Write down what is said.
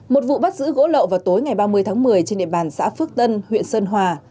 một vụ bắt giữ gỗ lậu vào tối ngày ba mươi tháng một mươi trên địa bàn xã phước tân huyện sơn hòa